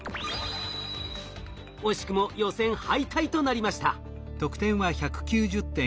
惜しくも予選敗退となりました。